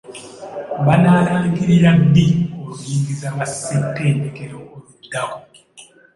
Banaalangirira ddi oluyingiza lwa ssettendekero oluddako?